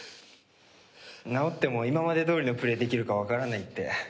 治っても今までどおりのプレーできるかわからないって。